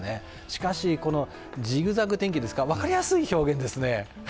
しかし、ジグザグ天気ですか、分かりやすい表現ですね。